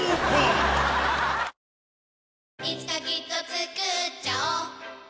いつかきっとつくっちゃおう